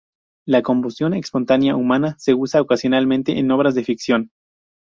La combustión espontánea humana se usa ocasionalmente en las obras de ficción.